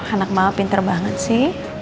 anak malah pinter banget sih